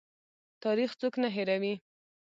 تاریخ څوک نه هیروي؟